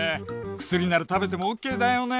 薬なら食べてもＯＫだよね。